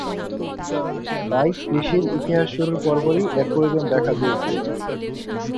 তাই কৃষির ইতিহাস শুরুর পরপরই এর প্রয়োজন দেখা দিয়েছিলো।